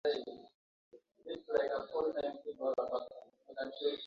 Sisemi katiba si ya maana lakini naomba mnipe muda